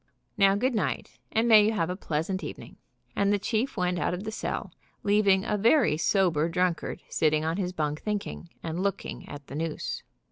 Now, good night, and may you have a pleasant evening/' and the chief went out of the cell, leaving a very sober drunkard sitting on his bunk thinking, and looking at the noose.